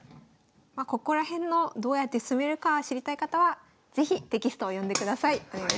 ここら辺のどうやって進めるか知りたい方は是非テキストを読んでください。